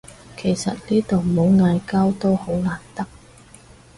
其實呢度冇嗌交都好難得